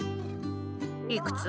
「いくつ？」。